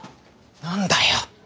何だよ！